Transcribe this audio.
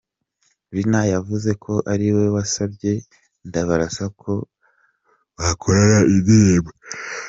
Lyn yavuze ko ari we wasabye Ndabarasa ko bakorana indirimbo.